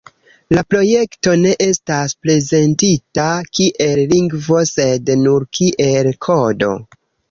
La projekto ne estas prezentita kiel lingvo, sed nur kiel "kodo".